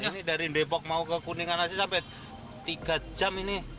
ini dari depok mau ke kuningan aja sampai tiga jam ini